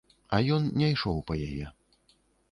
А ён не ішоў па яе.